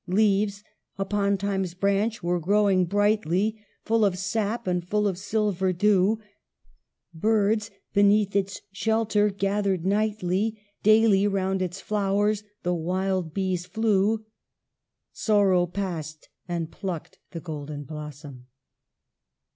" Leaves, upon Time's branch, were growing brightly, Full of sap, and full of silver dew ; Birds beneath its shelter gathered nightly; Daily round its flowe/s the wild bees flew. " Sorrow passed, and plucked the golden blossom."